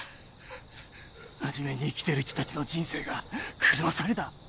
真面目に生きてる人達の人生が狂わされた